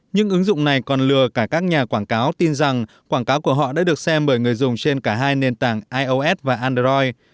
những ứng dụng này còn lừa cả các nhà quảng cáo tin rằng quảng cáo của họ đã được xem bởi người dùng trên cả hai nền tảng ios và android